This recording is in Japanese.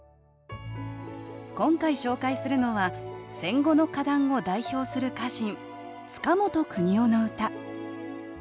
今回紹介するのは戦後の歌壇を代表する歌人